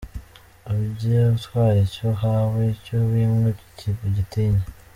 Ujye utwara icyo uhawe, icyo wimwe ugitinye.”